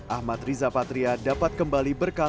ahmad riza patria dapat kembali berkala